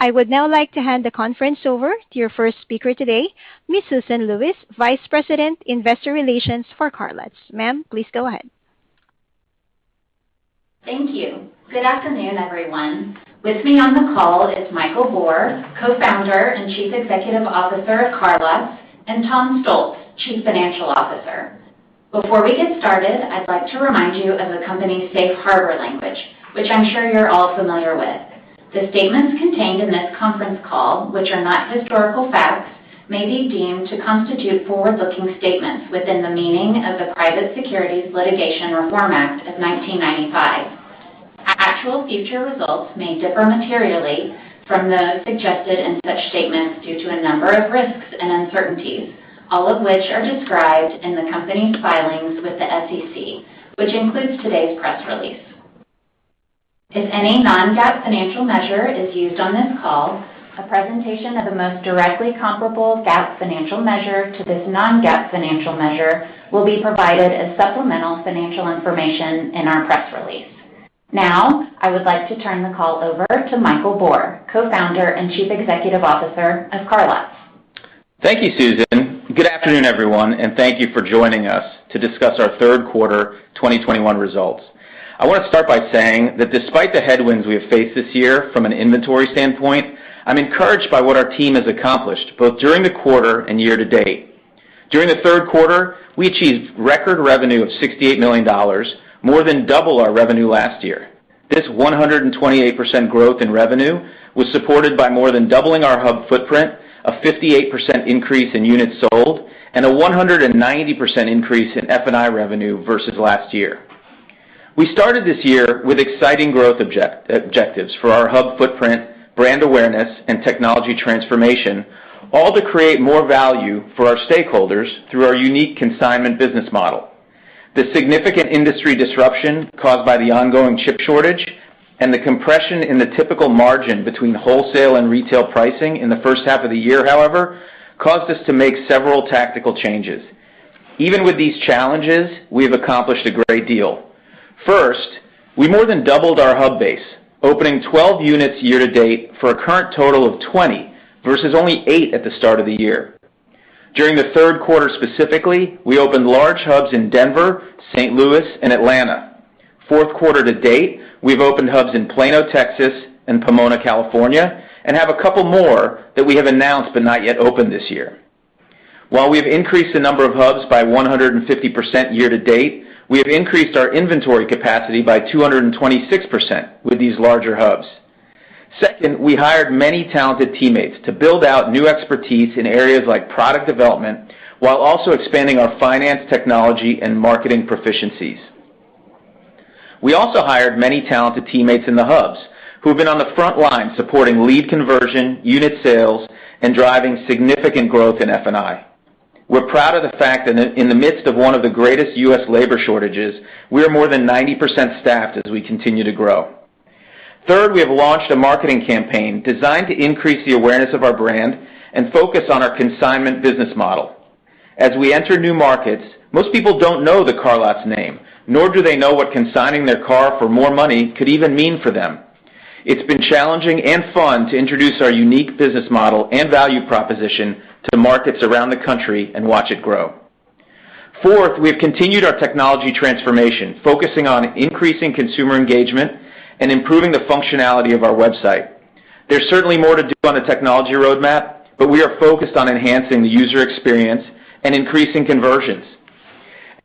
I would now like to hand the conference over to your first speaker today, Ms. Susan Lewis, Vice President, Investor Relations for CarLotz. Ma'am, please go ahead. Thank you. Good afternoon, everyone. With me on the call is Michael Bor, Co-Founder and Chief Executive Officer of CarLotz, and Tom Stoltz, Chief Financial Officer. Before we get started, I'd like to remind you of the company's safe harbor language, which I'm sure you're all familiar with. The statements contained in this conference call, which are not historical facts, may be deemed to constitute forward-looking statements within the meaning of the Private Securities Litigation Reform Act of 1995. Actual future results may differ materially from those suggested in such statements due to a number of risks and uncertainties, all of which are described in the company's filings with the SEC, which includes today's press release. If any non-GAAP financial measure is used on this call, a presentation of the most directly comparable GAAP financial measure to this non-GAAP financial measure will be provided as supplemental financial information in our press release. Now, I would like to turn the call over to Michael Bor, Co-founder and Chief Executive Officer of CarLotz. Thank you, Susan. Good afternoon, everyone. Thank you for joining us to discuss our third quarter 2021 results. I want to start by saying that despite the headwinds we have faced this year from an inventory standpoint, I'm encouraged by what our team has accomplished, both during the quarter and year to date. During the third quarter, we achieved record revenue of $68 million, more than double our revenue last year. This 128% growth in revenue was supported by more than doubling our hub footprint, a 58% increase in units sold, and a 190% increase in F&I revenue versus last year. We started this year with exciting growth objectives for our hub footprint, brand awareness, and technology transformation, all to create more value for our stakeholders through our unique consignment business model. The significant industry disruption caused by the ongoing chip shortage and the compression in the typical margin between wholesale and retail pricing in the first half of the year, however, caused us to make several tactical changes. Even with these challenges, we have accomplished a great deal. First, we more than doubled our hub base, opening 12 units year-to-date for a current total of 20 versus only eight at the start of the year. During the third quarter specifically, we opened large hubs in Denver, St. Louis, and Atlanta. Fourth quarter to date, we've opened hubs in Plano, Texas, and Pomona, California, and have a couple more that we have announced but not yet opened this year. While we've increased the number of hubs by 150% year to date, we have increased our inventory capacity by 226% with these larger hubs. Second, we hired many talented teammates to build out new expertise in areas like product development, while also expanding our finance, technology, and marketing proficiencies. We also hired many talented teammates in the hubs who have been on the front line supporting lead conversion, unit sales, and driving significant growth in F&I. We're proud of the fact that in the midst of one of the greatest U.S. labor shortages, we are more than 90% staffed as we continue to grow. Third, we have launched a marketing campaign designed to increase the awareness of our brand and focus on our consignment business model. As we enter new markets, most people don't know the CarLotz name, nor do they know what consigning their car for more money could even mean for them. It's been challenging and fun to introduce our unique business model and value proposition to the markets around the country and watch it grow. Fourth, we have continued our technology transformation, focusing on increasing consumer engagement and improving the functionality of our website. There's certainly more to do on the technology roadmap. We are focused on enhancing the user experience and increasing conversions.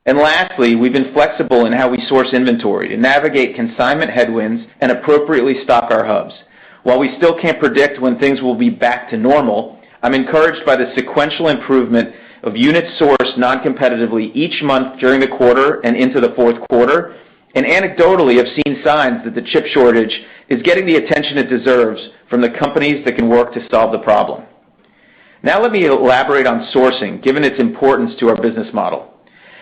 Lastly, we've been flexible in how we source inventory to navigate consignment headwinds and appropriately stock our hubs. While we still can't predict when things will be back to normal, I'm encouraged by the sequential improvement of units sourced non-competitively each month during the quarter and into the fourth quarter, and anecdotally have seen signs that the chip shortage is getting the attention it deserves from the companies that can work to solve the problem. Now let me elaborate on sourcing, given its importance to our business model.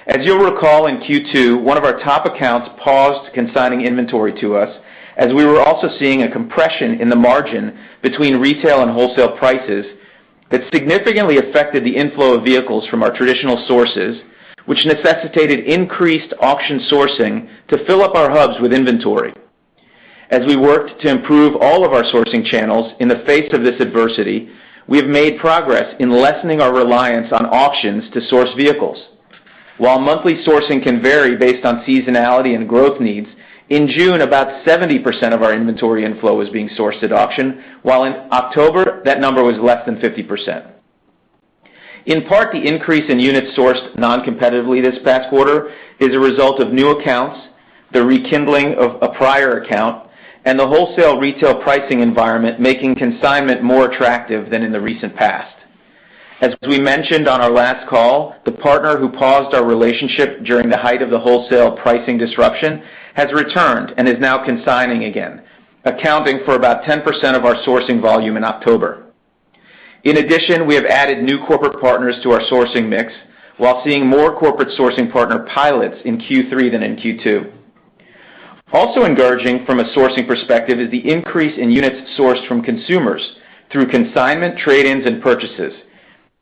As you'll recall, in Q2, one of our top accounts paused consigning inventory to us as we were also seeing a compression in the margin between retail and wholesale prices that significantly affected the inflow of vehicles from our traditional sources, which necessitated increased auction sourcing to fill up our hubs with inventory. As we worked to improve all of our sourcing channels in the face of this adversity, we have made progress in lessening our reliance on auctions to source vehicles. While monthly sourcing can vary based on seasonality and growth needs, in June, about 70% of our inventory inflow was being sourced at auction, while in October, that number was less than 50%. In part, the increase in units sourced non-competitively this past quarter is a result of new accounts, the rekindling of a prior account, and the wholesale retail pricing environment making consignment more attractive than in the recent past. As we mentioned on our last call, the partner who paused our relationship during the height of the wholesale pricing disruption has returned and is now consigning again, accounting for about 10% of our sourcing volume in October. In addition, we have added new corporate partners to our sourcing mix, while seeing more corporate sourcing partner pilots in Q3 than in Q2. Also emerging from a sourcing perspective is the increase in units sourced from consumers through consignment, trade-ins, and purchases.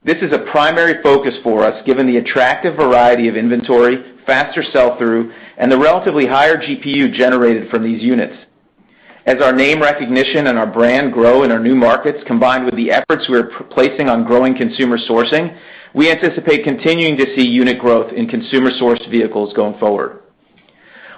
This is a primary focus for us, given the attractive variety of inventory, faster sell-through, and the relatively higher GPU generated from these units. As our name recognition and our brand grow in our new markets, combined with the efforts we are placing on growing consumer sourcing, we anticipate continuing to see unit growth in consumer-sourced vehicles going forward.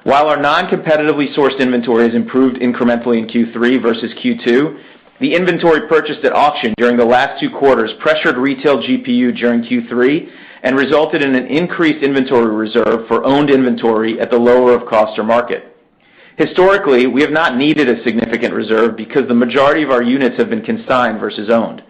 While our non-competitively sourced inventory has improved incrementally in Q3 versus Q2, the inventory purchased at auction during the last two quarters pressured retail GPU during Q3 and resulted in an increased inventory reserve for owned inventory at the lower of cost or market. Historically, we have not needed a significant reserve because the majority of our units have been consigned versus owned.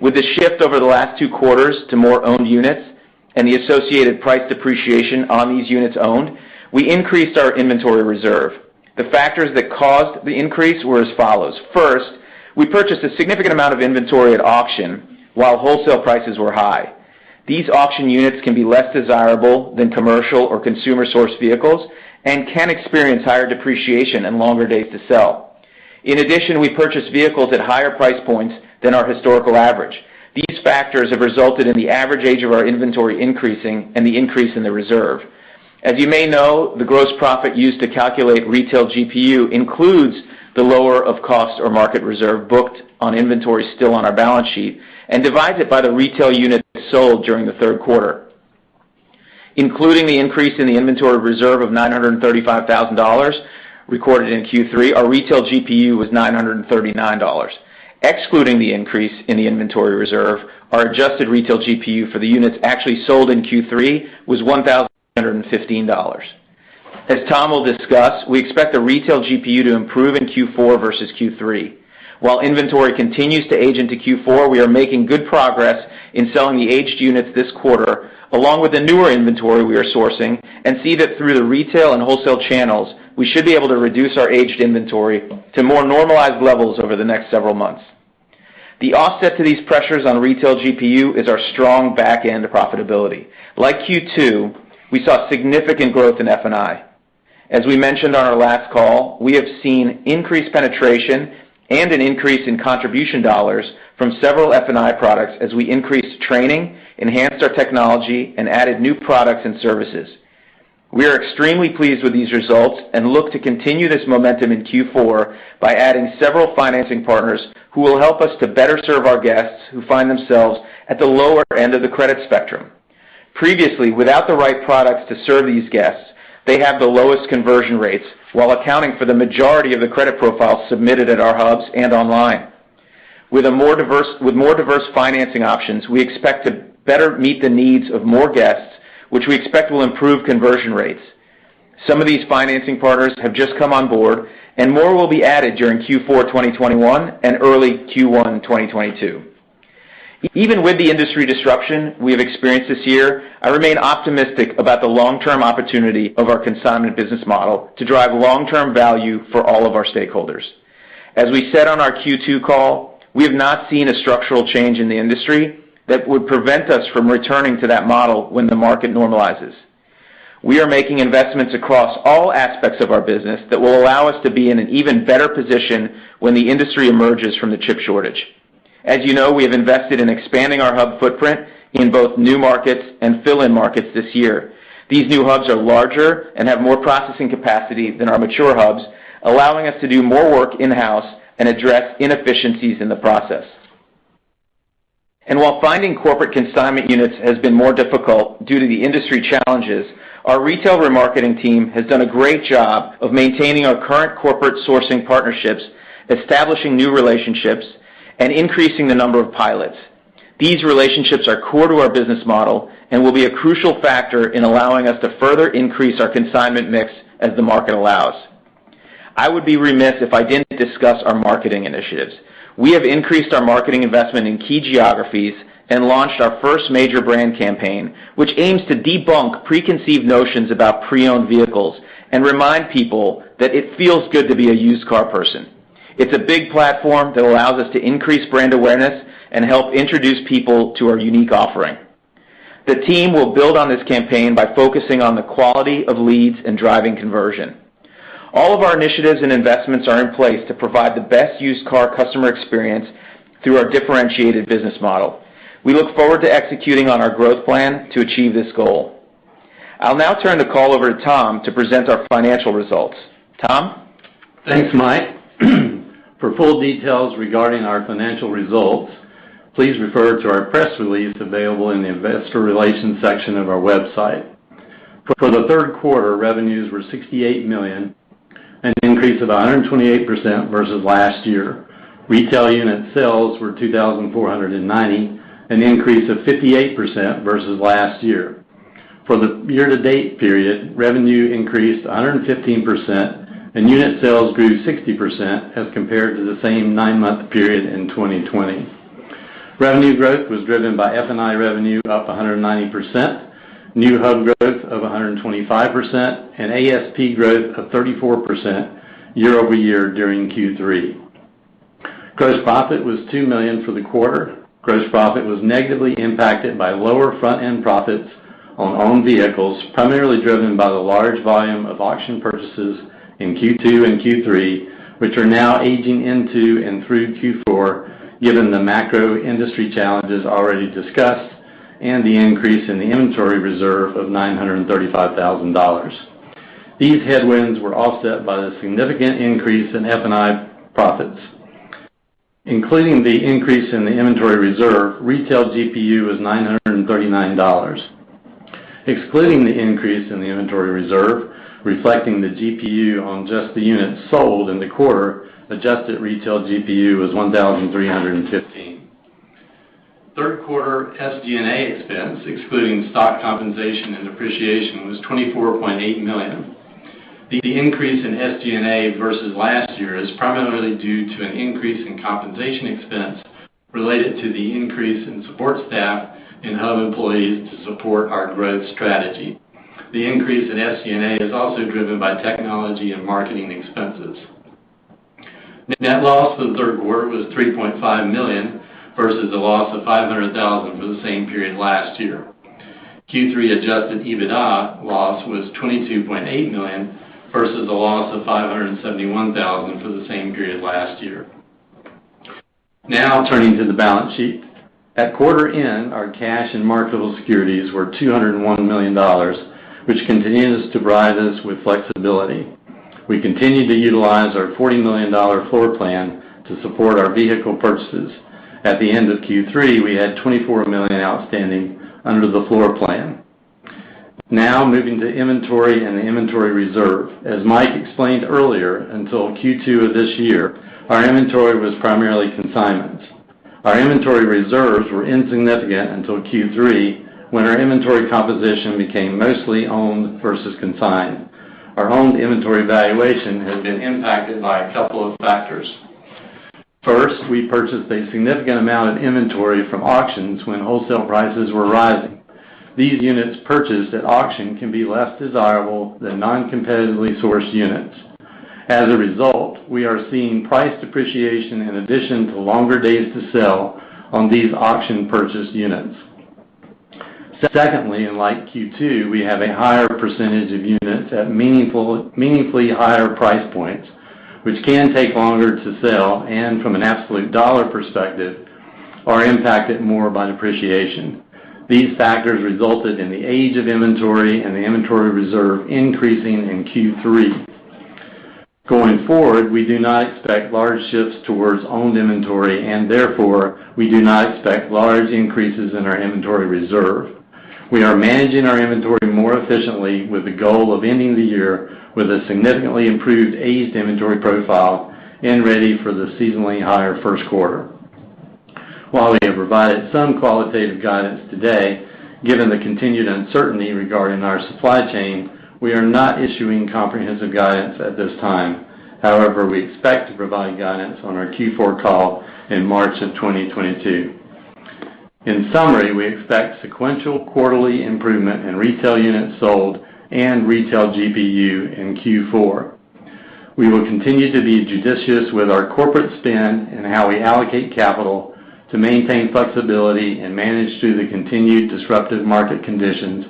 With the shift over the last two quarters to more owned units and the associated price depreciation on these units owned, we increased our inventory reserve. The factors that caused the increase were as follows. First, we purchased a significant amount of inventory at auction while wholesale prices were high. These auction units can be less desirable than commercial or consumer-sourced vehicles and can experience higher depreciation and longer days to sell. In addition, we purchased vehicles at higher price points than our historical average. These factors have resulted in the average age of our inventory increasing and the increase in the reserve. As you may know, the gross profit used to calculate retail GPU includes the lower of cost or market reserve booked on inventory still on our balance sheet and divides it by the retail units sold during the third quarter. Including the increase in the inventory reserve of $935,000 recorded in Q3, our retail GPU was $939. Excluding the increase in the inventory reserve, our adjusted retail GPU for the units actually sold in Q3 was $1,015. As Tom will discuss, we expect the retail GPU to improve in Q4 versus Q3. While inventory continues to age into Q4, we are making good progress in selling the aged units this quarter, along with the newer inventory we are sourcing, and see that through the retail and wholesale channels, we should be able to reduce our aged inventory to more normalized levels over the next several months. The offset to these pressures on retail GPU is our strong back end profitability. Like Q2, we saw significant growth in F&I. As we mentioned on our last call, we have seen increased penetration and an increase in contribution dollars from several F&I products as we increased training, enhanced our technology, and added new products and services. We are extremely pleased with these results and look to continue this momentum in Q4 by adding several financing partners who will help us to better serve our guests who find themselves at the lower end of the credit spectrum. Previously, without the right products to serve these guests, they have the lowest conversion rates while accounting for the majority of the credit profiles submitted at our hubs and online. With more diverse financing options, we expect to better meet the needs of more guests, which we expect will improve conversion rates. Some of these financing partners have just come on board, and more will be added during Q4 2021 and early Q1 2022. Even with the industry disruption we have experienced this year, I remain optimistic about the long-term opportunity of our consignment business model to drive long-term value for all of our stakeholders. As we said on our Q2 call, we have not seen a structural change in the industry that would prevent us from returning to that model when the market normalizes. We are making investments across all aspects of our business that will allow us to be in an even better position when the industry emerges from the chip shortage. As you know, we have invested in expanding our hub footprint in both new markets and fill-in markets this year. These new hubs are larger and have more processing capacity than our mature hubs, allowing us to do more work in-house and address inefficiencies in the process. While finding corporate consignment units has been more difficult due to the industry challenges, our retail remarketing team has done a great job of maintaining our current corporate sourcing partnerships, establishing new relationships, and increasing the number of pilots. These relationships are core to our business model and will be a crucial factor in allowing us to further increase our consignment mix as the market allows. I would be remiss if I didn't discuss our marketing initiatives. We have increased our marketing investment in key geographies and launched our first major brand campaign, which aims to debunk preconceived notions about pre-owned vehicles and remind people that it feels good to be a used car person. It's a big platform that allows us to increase brand awareness and help introduce people to our unique offering. The team will build on this campaign by focusing on the quality of leads and driving conversion. All of our initiatives and investments are in place to provide the best used car customer experience through our differentiated business model. We look forward to executing on our growth plan to achieve this goal. I'll now turn the call over to Tom to present our financial results. Tom? Thanks, Mike. For full details regarding our financial results, please refer to our press release available in the investor relations section of our website. For the third quarter, revenues were $68 million, an increase of 128% versus last year. Retail unit sales were 2,490, an increase of 58% versus last year. For the year-to-date period, revenue increased 115%, and unit sales grew 60% as compared to the same nine-month period in 2020. Revenue growth was driven by F&I revenue up 190%, new hub growth of 125%, and ASP growth of 34% year-over-year during Q3. Gross profit was $2 million for the quarter. Gross profit was negatively impacted by lower front-end profits on owned vehicles, primarily driven by the large volume of auction purchases in Q2 and Q3, which are now aging into and through Q4, given the macro industry challenges already discussed and the increase in the inventory reserve of $935,000. These headwinds were offset by the significant increase in F&I profits. Including the increase in the inventory reserve, retail GPU was $939. Excluding the increase in the inventory reserve, reflecting the GPU on just the units sold in the quarter, adjusted retail GPU was $1,315. Third quarter SG&A expense, excluding stock compensation and depreciation, was $24.8 million. The increase in SG&A versus last year is primarily due to an increase in compensation expense related to the increase in support staff and hub employees to support our growth strategy. The increase in SG&A is also driven by technology and marketing expenses. Net loss for the third quarter was $3.5 million, versus a loss of $500,000 for the same period last year. Q3 adjusted EBITDA loss was $22.8 million, versus a loss of $571,000 for the same period last year. Now, turning to the balance sheet. At quarter end, our cash and marketable securities were $201 million, which continues to provide us with flexibility. We continue to utilize our $40 million floor plan to support our vehicle purchases. At the end of Q3, we had $24 million outstanding under the floor plan. Now, moving to inventory and the inventory reserve. As Mike explained earlier, until Q2 of this year, our inventory was primarily consignments. Our inventory reserves were insignificant until Q3, when our inventory composition became mostly owned versus consigned. Our owned inventory valuation has been impacted by a couple of factors. First, we purchased a significant amount of inventory from auctions when wholesale prices were rising. These units purchased at auction can be less desirable than non-competitively sourced units. As a result, we are seeing price depreciation in addition to longer days to sell on these auction-purchased units. Secondly, unlike Q2, we have a higher percentage of units at meaningfully higher price points, which can take longer to sell, and from an absolute dollar perspective, are impacted more by depreciation. These factors resulted in the age of inventory and the inventory reserve increasing in Q3. Going forward, we do not expect large shifts towards owned inventory, therefore, we do not expect large increases in our inventory reserve. We are managing our inventory more efficiently with the goal of ending the year with a significantly improved aged inventory profile and ready for the seasonally higher first quarter. While we have provided some qualitative guidance today, given the continued uncertainty regarding our supply chain, we are not issuing comprehensive guidance at this time. We expect to provide guidance on our Q4 call in March of 2022. In summary, we expect sequential quarterly improvement in retail units sold and retail GPU in Q4. We will continue to be judicious with our corporate spend and how we allocate capital to maintain flexibility and manage through the continued disruptive market conditions,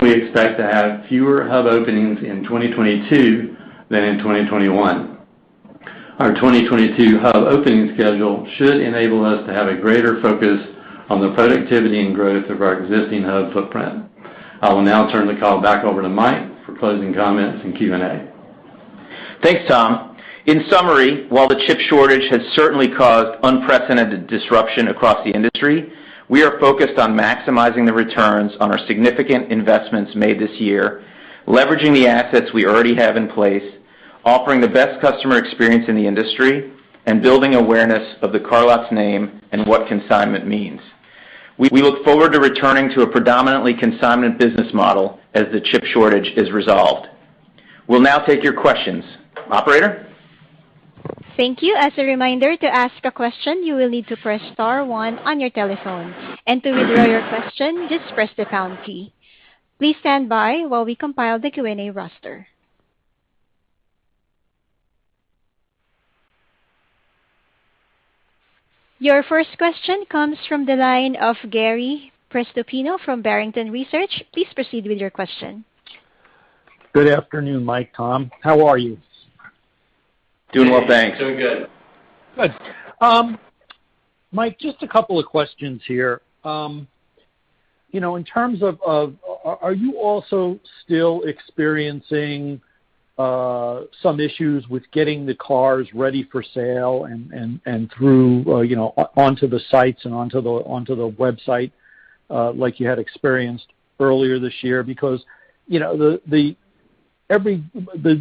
we expect to have fewer hub openings in 2022 than in 2021. Our 2022 hub opening schedule should enable us to have a greater focus on the productivity and growth of our existing hub footprint. I will now turn the call back over to Mike for closing comments and Q&A. Thanks, Tom. In summary, while the chip shortage has certainly caused unprecedented disruption across the industry, we are focused on maximizing the returns on our significant investments made this year, leveraging the assets we already have in place, offering the best customer experience in the industry, and building awareness of the CarLotz name and what consignment means. We look forward to returning to a predominantly consignment business model as the chip shortage is resolved. We'll now take your questions. Operator? Thank you. As a reminder, to ask a question, you will need to press star one on your telephone. To withdraw your question, just press the pound key. Please stand by while we compile the Q&A roster. Your first question comes from the line of Gary Prestopino from Barrington Research. Please proceed with your question. Good afternoon, Mike, Tom. How are you? Doing well, thanks. Doing good. Good. Mike, just a couple of questions here. You know, in terms of, Are you also still experiencing some issues with getting the cars ready for sale and through, you know, onto the sites and onto the website, like you had experienced earlier this year? You know, the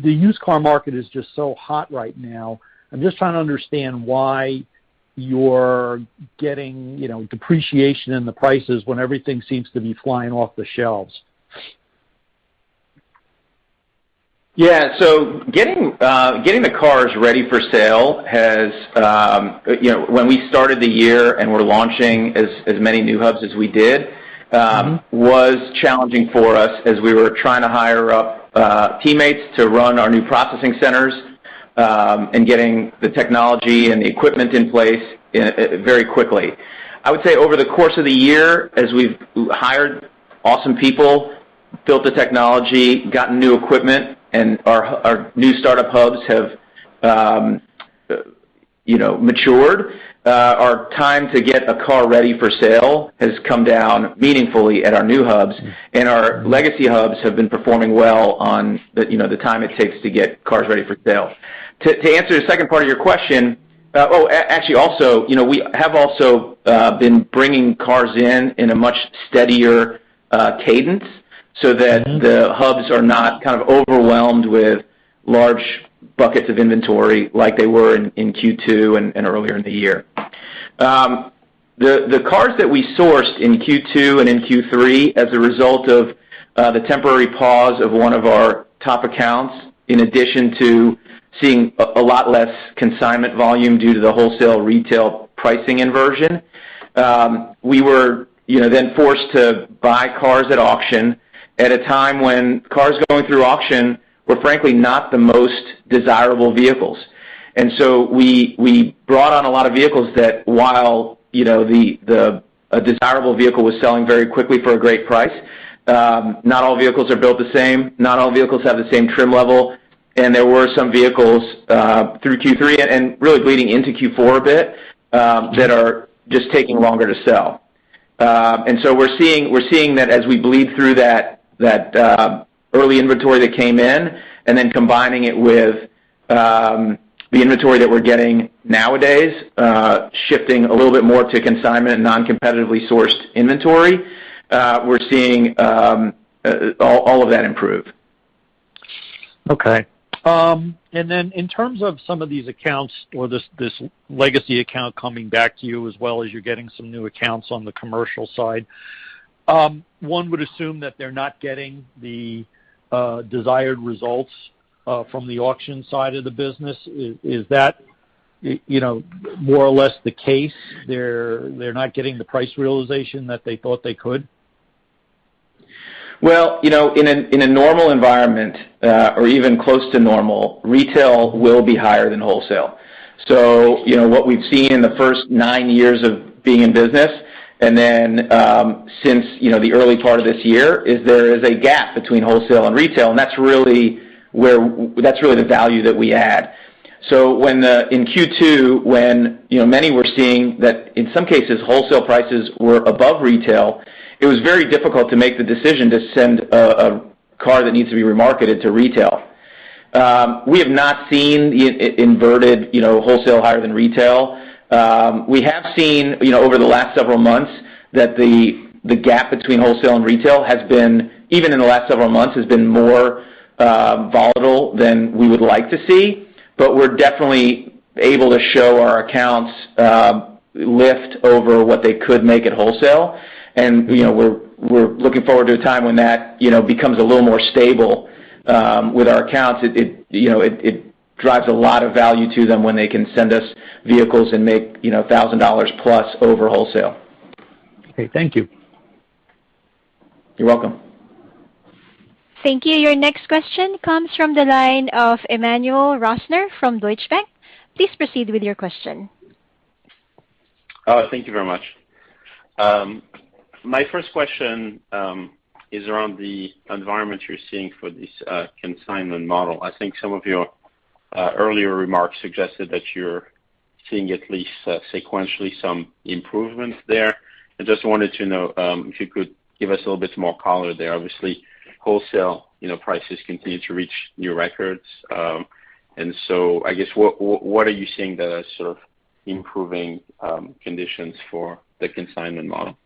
used car market is just so hot right now. I'm just trying to understand why you're getting, you know, depreciation in the prices when everything seems to be flying off the shelves. Yeah. Getting, getting the cars ready for sale has, you know, when we started the year and we're launching as many new hubs as we did, was challenging for us as we were trying to hire up teammates to run our new processing centers, and getting the technology and the equipment in place very quickly. I would say over the course of the year, as we've hired awesome people, built the technology, gotten new equipment, and our new startup hubs have, you know, matured, our time to get a car ready for sale has come down meaningfully at our new hubs, and our legacy hubs have been performing well on the, you know, the time it takes to get cars ready for sale. To answer the second part of your question. actually, also, you know, we have also been bringing cars in in a much steadier cadence so that the hubs are not kind of overwhelmed with large buckets of inventory like they were in Q2 and earlier in the year. The cars that we sourced in Q2 and in Q3 as a result of the temporary pause of one of our top accounts, in addition to seeing a lot less consignment volume due to the wholesale-retail pricing inversion, we were, you know, then forced to buy cars at auction at a time when cars going through auction were frankly not the most desirable vehicles. We brought on a lot of vehicles that while, you know, the a desirable vehicle was selling very quickly for a great price, not all vehicles are built the same, not all vehicles have the same trim level, and there were some vehicles through Q3 and really bleeding into Q4 a bit, that are just taking longer to sell. We're seeing that as we bleed through that early inventory that came in, and then combining it with the inventory that we're getting nowadays, shifting a little bit more to consignment and non-competitively sourced inventory, we're seeing all of that improve. Okay. In terms of some of these accounts or this legacy account coming back to you as well as you're getting some new accounts on the commercial side, one would assume that they're not getting the desired results from the auction side of the business. Is that, you know, more or less the case, they're not getting the price realization that they thought they could? Well, you know, in a normal environment, or even close to normal, retail will be higher than wholesale. You know, what we've seen in the first nine years of being in business, and then since, you know, the early part of this year, is there is a gap between wholesale and retail, and that's really the value that we add. In Q2, when, you know, many were seeing that in some cases, wholesale prices were above retail, it was very difficult to make the decision to send a car that needs to be remarketed to retail. We have not seen it inverted, you know, wholesale higher than retail. We have seen, you know, over the last several months that the gap between wholesale and retail has been, even in the last several months, has been more volatile than we would like to see. We're definitely able to show our accounts lift over what they could make at wholesale. You know, we're looking forward to a time when that, you know, becomes a little more stable with our accounts. It, you know, it drives a lot of value to them when they can send us vehicles and make, you know, $1,000 plus over wholesale. Okay. Thank you. You're welcome. Thank you. Your next question comes from the line of Emmanuel Rosner from Deutsche Bank. Please proceed with your question. Thank you very much. My first question is around the environment you're seeing for this consignment model. I think some of your earlier remarks suggested that you're seeing at least sequentially some improvements there. I just wanted to know if you could give us a little bit more color there. Obviously, wholesale, you know, prices continue to reach new records. I guess what are you seeing that are sort of improving conditions for the consignment model?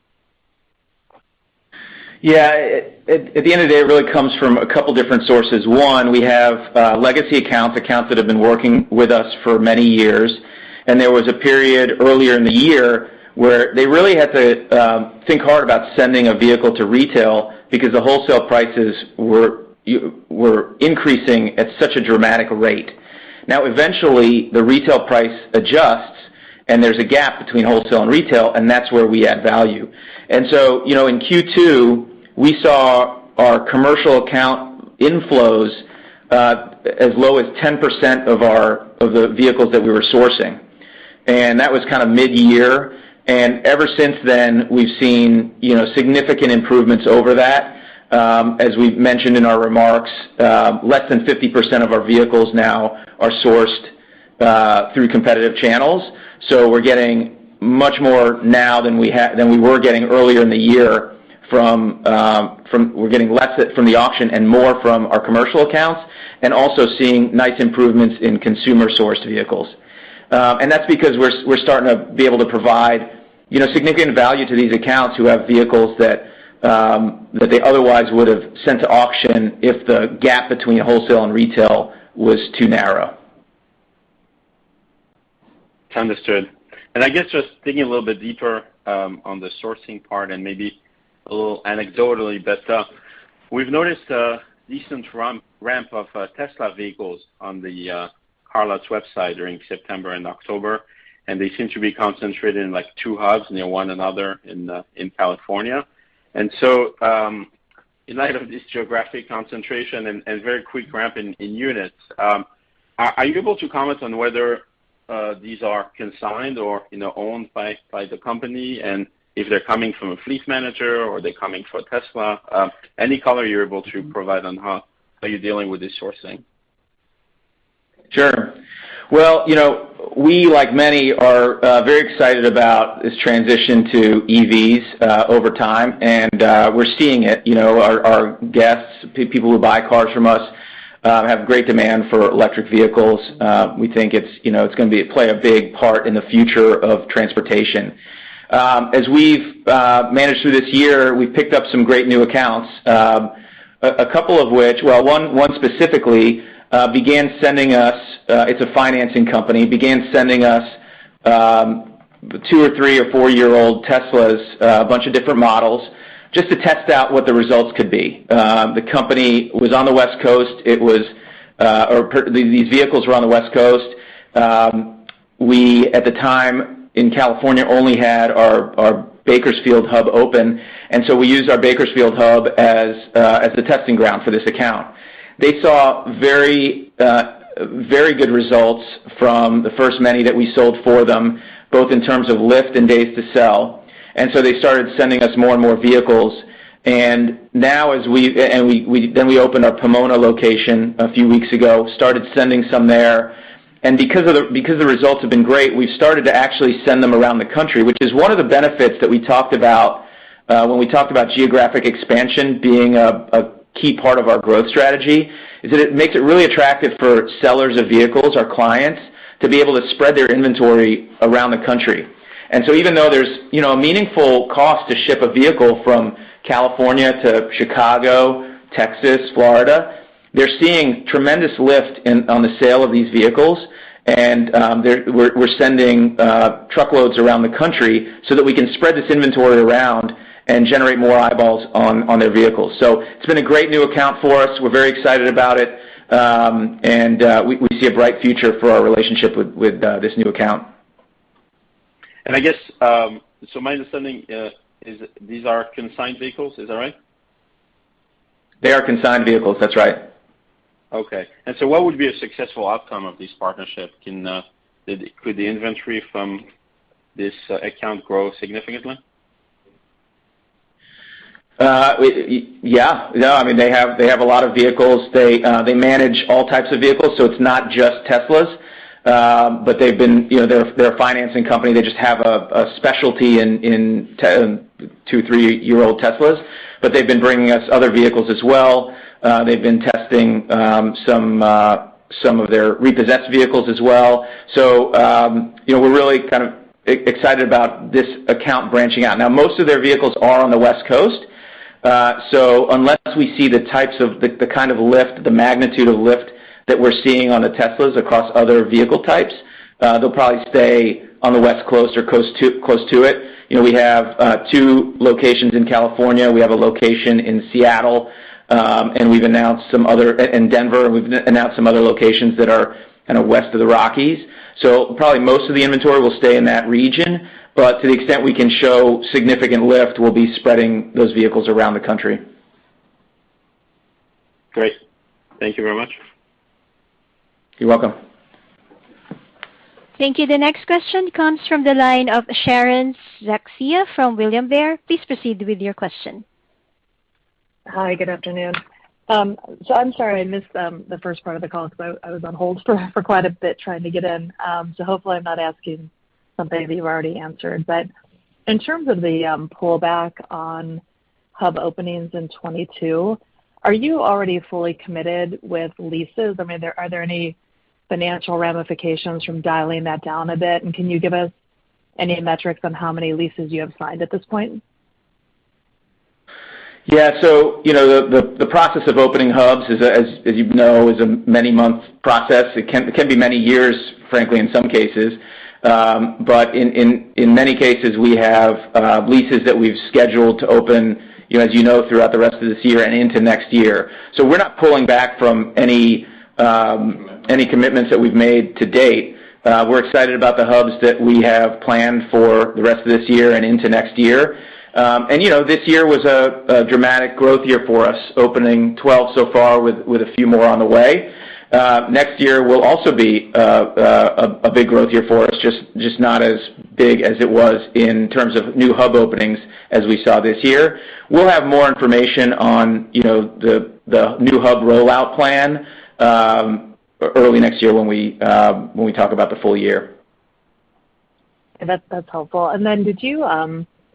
Yeah. At the end of the day, it really comes from a couple different sources. One, we have legacy accounts that have been working with us for many years. There was a period earlier in the year where they really had to think hard about sending a vehicle to retail because the wholesale prices were increasing at such a dramatic rate. Now, eventually, the retail price adjusts, and there's a gap between wholesale and retail, and that's where we add value. You know, in Q2, we saw our commercial account inflows as low as 10% of the vehicles that we were sourcing. That was kind of mid-year. Ever since then, we've seen, you know, significant improvements over that. As we've mentioned in our remarks, less than 50% of our vehicles now are sourced through competitive channels. We're getting much more now than we were getting earlier in the year. We're getting less at, from the auction and more from our commercial accounts and also seeing nice improvements in consumer-sourced vehicles. And that's because we're starting to be able to provide, you know, significant value to these accounts who have vehicles that they otherwise would have sent to auction if the gap between wholesale and retail was too narrow. Understood. I guess just digging a little bit deeper, on the sourcing part, and maybe a little anecdotally, but we've noticed a decent ramp of Tesla vehicles on the CarLotz website during September and October, and they seem to be concentrated in, like, two hubs near one another in California. In light of this geographic concentration and very quick ramp in units, are you able to comment on whether these are consigned or, you know, owned by the company, and if they're coming from a fleet manager or are they coming from Tesla? Any color you're able to provide on how you're dealing with this sourcing. Sure. Well, you know, we, like many, are very excited about this transition to EVs over time, we're seeing it. You know, our guests, people who buy cars from us, have great demand for electric vehicles. We think it's, you know, it's gonna play a big part in the future of transportation. As we've managed through this year, we've picked up some great new accounts, a couple of which, well, one specifically, began sending us, it's a financing company, began sending us two or three or four-year-old Teslas, a bunch of different models just to test out what the results could be. The company was on the West Coast. It was, or these vehicles were on the West Coast. We, at the time, in California, only had our Bakersfield hub open, and so we used our Bakersfield hub as the testing ground for this account. They saw very good results from the first many that we sold for them, both in terms of lift and days to sell. They started sending us more and more vehicles. Now we opened our Pomona location a few weeks ago and started sending some there. Because the results have been great, we've started to actually send them around the country, which is one of the benefits that we talked about when we talked about geographic expansion being a key part of our growth strategy, is that it makes it really attractive for sellers of vehicles, our clients, to be able to spread their inventory around the country. Even though there's, you know, a meaningful cost to ship a vehicle from California to Chicago, Texas, Florida, they're seeing tremendous lift on the sale of these vehicles. We're sending truckloads around the country so that we can spread this inventory around and generate more eyeballs on their vehicles. It's been a great new account for us. We're very excited about it. We see a bright future for our relationship with this new account. I guess, so my understanding, is these are consigned vehicles. Is that right? They are consigned vehicles, that's right. Okay. What would be a successful outcome of this partnership? Could the inventory from this account grow significantly? Yeah. No, I mean, they have a lot of vehicles. They manage all types of vehicles, so it's not just Teslas. They've been, you know, they're a financing company. They just have a specialty in two, three-year-old Teslas. They've been bringing us other vehicles as well. They've been testing some of their repossessed vehicles as well. You know, we're really kind of excited about this account branching out. Most of their vehicles are on the West Coast, so unless we see the types of the kind of lift, the magnitude of lift that we're seeing on the Teslas across other vehicle types, they'll probably stay on the West Coast or close to it. You know, we have 2 locations in California. We have a location in Seattle, and we've announced some other and Denver, and we've announced some other locations that are kind of west of the Rockies. Probably most of the inventory will stay in that region. To the extent we can show significant lift, we'll be spreading those vehicles around the country. Great. Thank you very much. You're welcome. Thank you. The next question comes from the line of Sharon Zackfia from William Blair. Please proceed with your question. Hi. Good afternoon. I'm sorry I missed the first part of the call because I was on hold for quite a bit trying to get in. Hopefully I'm not asking something that you've already answered. In terms of the pullback on hub openings in 2022, are you already fully committed with leases? I mean, are there any financial ramifications from dialing that down a bit? Can you give us any metrics on how many leases you have signed at this point? Yeah. you know, the process of opening hubs is, as you know, is a many month process. It can be many years, frankly, in some cases. in many cases, we have leases that we've scheduled to open, you know, as you know, throughout the rest of this year and into next year. We're not pulling back from any commitments that we've made to date. We're excited about the hubs that we have planned for the rest of this year and into next year. you know, this year was a dramatic growth year for us, opening 12 so far with a few more on the way. Next year will also be a big growth year for us, just not as big as it was in terms of new hub openings as we saw this year. We'll have more information on, you know, the new hub rollout plan, early next year when we talk about the full year. That's helpful.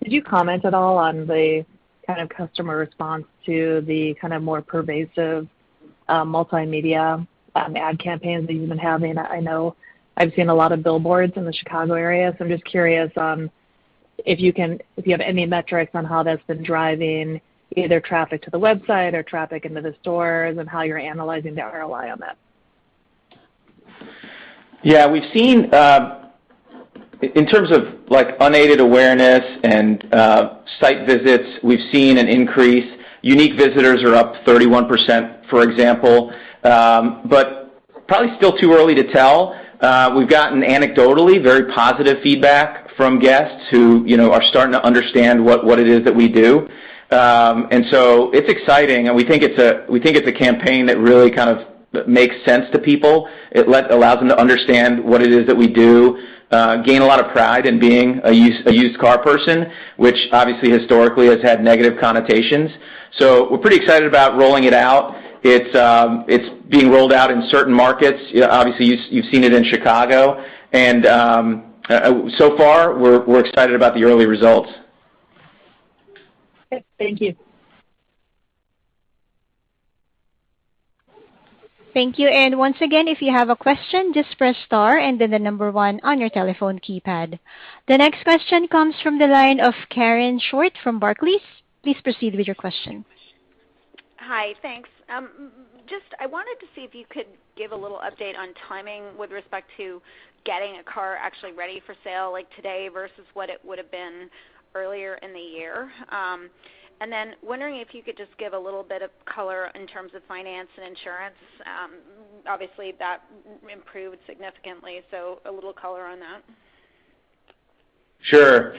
Did you comment at all on the kind of customer response to the kind of more pervasive multimedia ad campaigns that you've been having? I know I've seen a lot of billboards in the Chicago area, so I'm just curious on if you have any metrics on how that's been driving either traffic to the website or traffic into the stores and how you're analyzing the ROI on that? We've seen, in terms of like unaided awareness and site visits, we've seen an increase. Unique visitors are up 31%, for example. Probably still too early to tell. We've gotten anecdotally very positive feedback from guests who, you know, are starting to understand what it is that we do. It's exciting, and we think it's a campaign that really kind of makes sense to people. It allows them to understand what it is that we do, gain a lot of pride in being a used car person, which obviously historically has had negative connotations. We're pretty excited about rolling it out. It's being rolled out in certain markets. You know, obviously you've seen it in Chicago. So far, we're excited about the early results. Okay. Thank you. Thank you. Once again, if you have a question, just press star and then one on your telephone keypad. The next question comes from the line of Karen Short from Barclays. Please proceed with your question. Hi. Thanks. Just I wanted to see if you could give a little update on timing with respect to getting a car actually ready for sale like today versus what it would have been earlier in the year. Wondering if you could just give a little bit of color in terms of Finance and Insurance. Obviously that improved significantly, so a little color on that. Sure.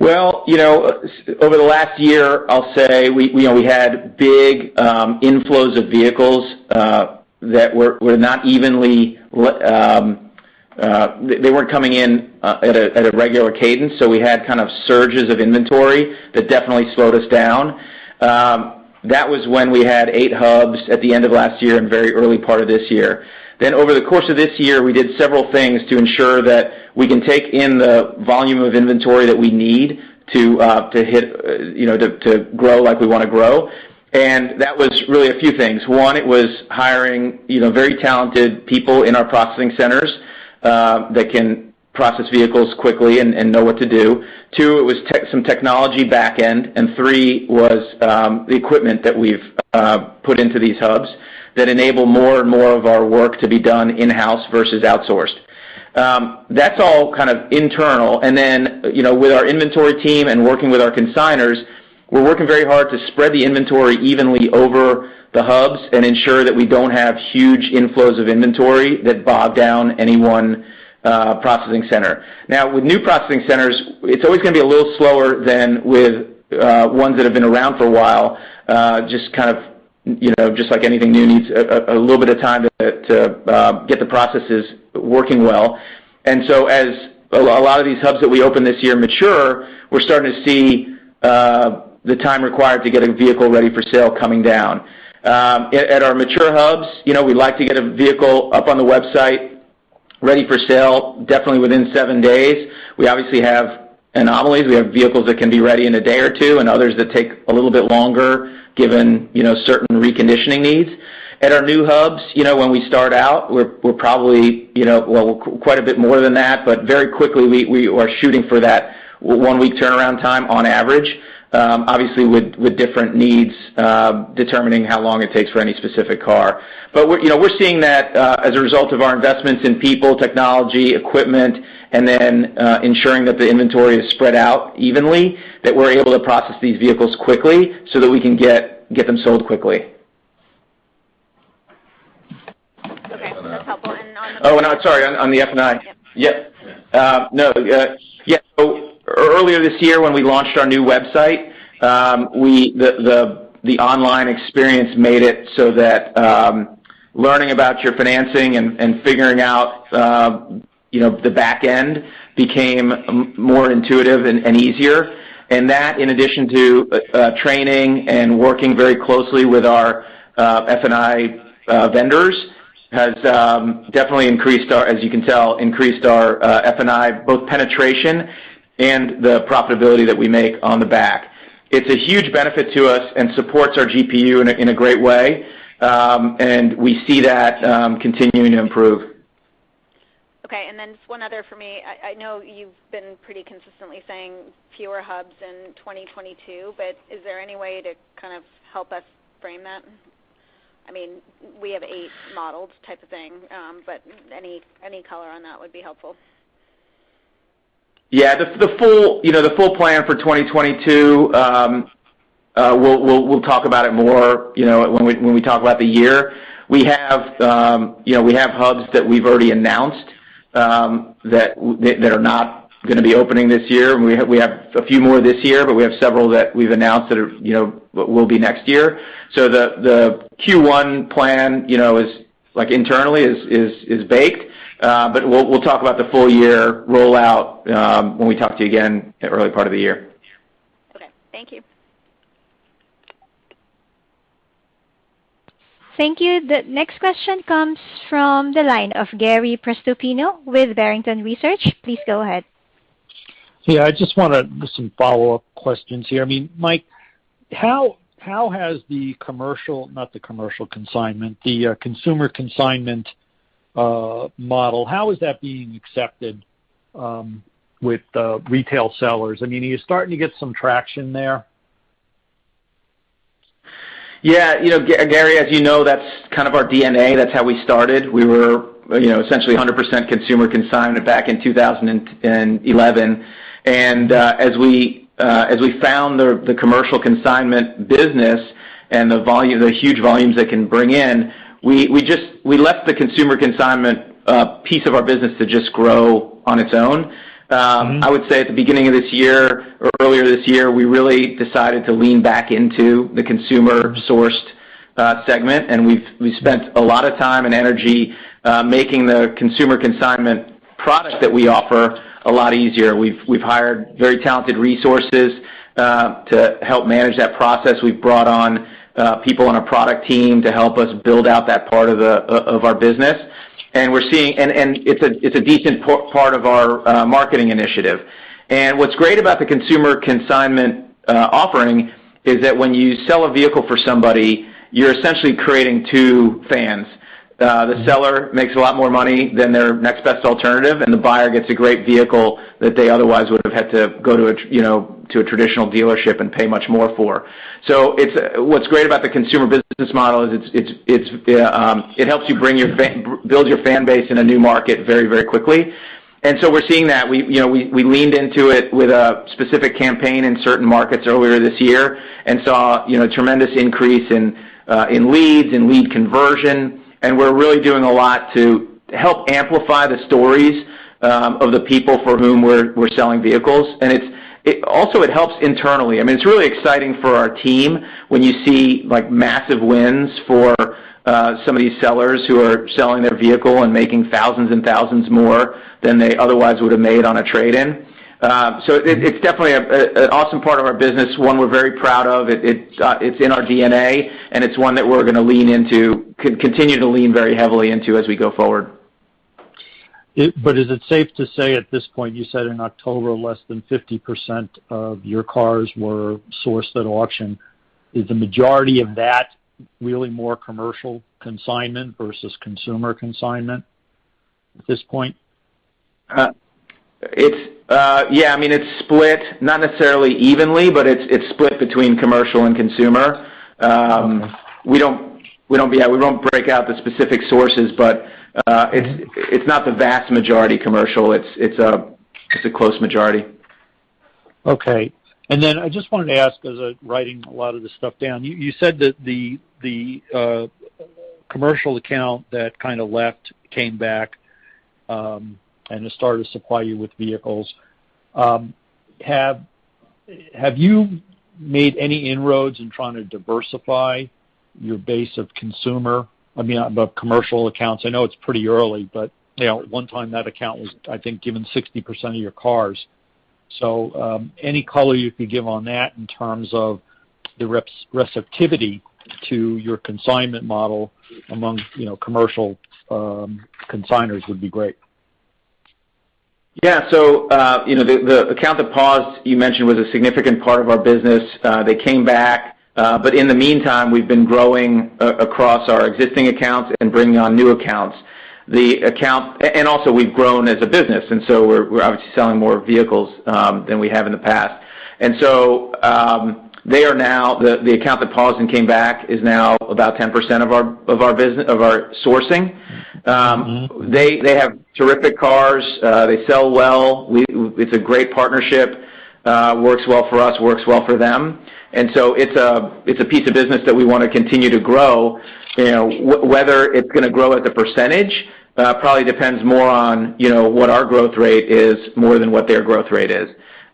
Well, you know, over the last year, I'll say we had big inflows of vehicles that were not evenly they weren't coming in at a regular cadence, so we had kind of surges of inventory that definitely slowed us down. That was when we had eight hubs at the end of last year and very early part of this year. Over the course of this year, we did several things to ensure that we can take in the volume of inventory that we need to hit, you know, to grow like we want to grow. That was really a few things. One, it was hiring, you know, very talented people in our processing centers that can process vehicles quickly and know what to do. Two, it was some technology back end. Three was the equipment that we've put into these hubs that enable more and more of our work to be done in-house versus outsourced. That's all kind of internal. You know, with our inventory team and working with our consigners, we're working very hard to spread the inventory evenly over the hubs and ensure that we don't have huge inflows of inventory that bog down any one processing center. With new processing centers, it's always going to be a little slower than with ones that have been around for a while, just kind of, you know, just like anything new needs a little bit of time to get the processes working well. As a lot of these hubs that we open this year mature, we're starting to see the time required to get a vehicle ready for sale coming down. At our mature hubs, you know, we like to get a vehicle up on the website ready for sale definitely within seven days. We obviously have anomalies. We have vehicles that can be ready in a day or two, and others that take a little bit longer given, you know, certain reconditioning needs. At our new hubs, you know, when we start out, we're probably, you know, well, quite a bit more than that, but very quickly, we are shooting for that one-week turnaround time on average. Obviously, with different needs, determining how long it takes for any specific car. We're, you know, we're seeing that, as a result of our investments in people, technology, equipment, and then, ensuring that the inventory is spread out evenly, that we're able to process these vehicles quickly so that we can get them sold quickly. Okay. Oh, I'm sorry, on the F&I. Yep. Yep. No. Yeah. Earlier this year when we launched our new website, the online experience made it so that learning about your financing and figuring out, you know, the back end became more intuitive and easier. That in addition to training and working very closely with our F&I vendors has, as you can tell, increased our F&I both penetration and the profitability that we make on the back. It's a huge benefit to us and supports our GPU in a great way. We see that continuing to improve. Okay. Just one other for me. I know you've been pretty consistently saying fewer hubs in 2022, but is there any way to kind of help us frame that? I mean, we have eight models type of thing, but any color on that would be helpful. Yeah. The full, you know, the full plan for 2022, we'll talk about it more, you know, when we, when we talk about the year. We have, you know, we have hubs that we've already announced that are not going to be opening this year. We have a few more this year, but we have several that we've announced that are, you know, will be next year. The Q1 plan, you know, is like internally is baked. We'll talk about the full year rollout when we talk to you again at early part of the year. Okay. Thank you. Thank you. The next question comes from the line of Gary Prestopino with Barrington Research. Please go ahead. Yeah. Just some follow-up questions here. I mean, Michael, not the commercial consignment, the consumer consignment model, how is that being accepted with the retail sellers? I mean, are you starting to get some traction there? Yeah. You know, Gary, as you know, that's kind of our DNA. That's how we started. We were, you know, essentially 100% consumer consignment back in 2011. As we found the commercial consignment business and the huge volumes they can bring in, we just left the consumer consignment piece of our business to just grow on its own. I would say at the beginning of this year or earlier this year, we really decided to lean back into the consumer-sourced segment. We've spent a lot of time and energy making the consumer consignment product that we offer a lot easier. We've hired very talented resources to help manage that process. We've brought on people on our product team to help us build out that part of our business. We're seeing it's a decent part of our marketing initiative. What's great about the consumer consignment offering is that when you sell a vehicle for somebody, you're essentially creating two fans. The seller makes a lot more money than their next best alternative, and the buyer gets a great vehicle that they otherwise would have had to go to a traditional dealership and pay much more for. What's great about the consumer business model is it's it helps you build your fan base in a new market very, very quickly. We're seeing that. We, you know, we leaned into it with a specific campaign in certain markets earlier this year and saw, you know, tremendous increase in leads and lead conversion. We're really doing a lot to help amplify the stories of the people for whom we're selling vehicles. Also it helps internally. I mean, it's really exciting for our team when you see like massive wins for some of these sellers who are selling their vehicle and making thousands and thousands more than they otherwise would have made on a trade-in. It's definitely an awesome part of our business, one we're very proud of. It's in our DNA, it's one that we're gonna lean into, continue to lean very heavily into as we go forward. Is it safe to say at this point, you said in October, less than 50% of your cars were sourced at auction? Is the majority of that really more commercial consignment versus consumer consignment at this point? It's, yeah, I mean, it's split not necessarily evenly, but it's split between commercial and consumer. We don't break out the specific sources, but it's not the vast majority commercial. It's a close majority. Okay. I just wanted to ask as I'm writing a lot of this stuff down. You said that the commercial account that kind of left came back, and has started to supply you with vehicles. Have you made any inroads in trying to diversify your base of consumer, I mean, of commercial accounts? I know it's pretty early, but, you know, at one time that account was, I think, given 60% of your cars. Any color you could give on that in terms of the receptivity to your consignment model among, you know, commercial consigners would be great. You know, the account that paused, you mentioned, was a significant part of our business. They came back. In the meantime, we've been growing across our existing accounts and bringing on new accounts. Also we've grown as a business, we're obviously selling more vehicles than we have in the past. The account that paused and came back is now about 10% of our of our sourcing. They have terrific cars. They sell well. It's a great partnership. Works well for us, works well for them. It's a piece of business that we wanna continue to grow. You know, whether it's gonna grow as a percentage, probably depends more on, you know, what our growth rate is more than what their growth rate is.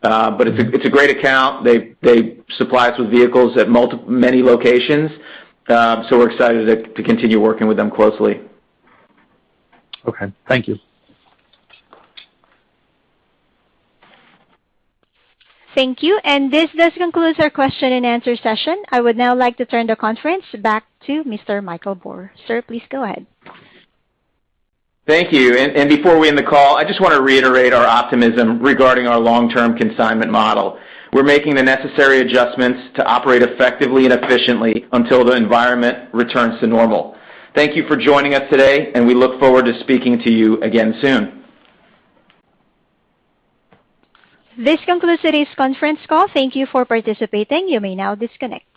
It's a great account. They supply us with vehicles at many locations. We're excited to continue working with them closely. Okay. Thank you. Thank you. This does conclude our question and answer session. I would now like to turn the conference back to Mr. Michael Bor. Sir, please go ahead. Thank you. Before we end the call, I just want to reiterate our optimism regarding our long-term consignment model. We're making the necessary adjustments to operate effectively and efficiently until the environment returns to normal. Thank you for joining us today, and we look forward to speaking to you again soon. This concludes today's conference call. Thank you for participating. You may now disconnect.